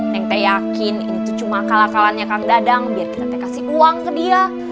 neng teh yakin ini tuh cuma kalakalannya kang dadang biar kita kasih uang ke dia